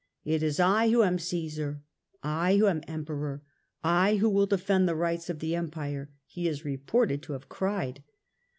" It is I who am Caesar, I who am Emperor, I who will defend the rights of the Empire," he is reported to have cried.